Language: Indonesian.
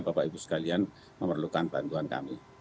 bapak ibu sekalian memerlukan bantuan kami